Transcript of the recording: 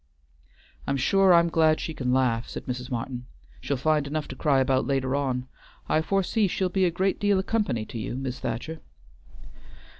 "I'm sure I'm glad she can laugh," said Mrs. Martin. "She'll find enough to cry about later on; I foresee she'll be a great deal o' company to you, Mis' Thacher."